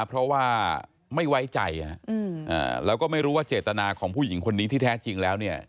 เพราะว่าไม่ไว้ใจแล้วก็ไม่รู้ว่าเจตนาของผู้หญิงคนนี้ที่แท้จริงแล้วเนี่ย